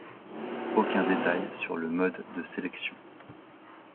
Aucun détail sur le mode de sélection.